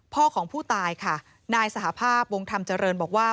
พ่อของผู้ตายค่ะนายสหภาพวงธรรมเจริญบอกว่า